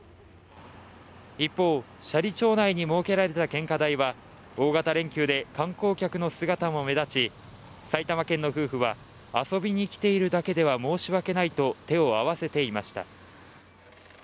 一方、斜里町内に設けられた献花台は大型連休で観光客の姿も目立ち埼玉県の夫婦は遊びに来ているだけでは申し訳ないと手を合わせていました。